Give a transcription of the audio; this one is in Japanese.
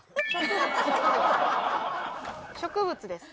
植物です。